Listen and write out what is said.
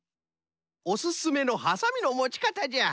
おすすめのはさみのもち方じゃ。